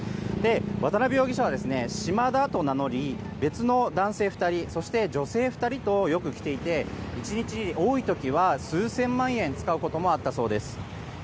渡邉容疑者はシマダと名乗り別の男性２人そして女性２人とよく来ていて１日、多い時は数千万円使うこともあったそうです。